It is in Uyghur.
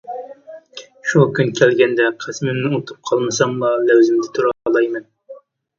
شۇ كۈن كەلگەندە قەسىمىمنى ئۇنتۇپ قالمىساملا لەۋزىمدە تۇرالايمەن.